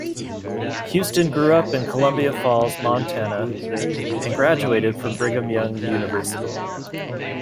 Houston grew up in Columbia Falls, Montana, and graduated from Brigham Young University.